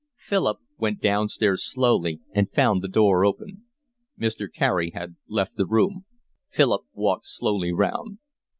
Philip went downstairs slowly and found the door open. Mr. Carey had left the room. Philip walked slowly round.